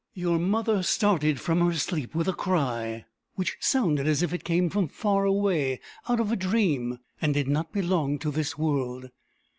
Your mother started from her sleep with a cry, which sounded as if it came from far away, out of a dream, and did not belong to this world.